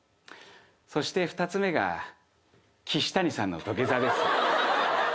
そして２つ目が岸谷さんの土下座です。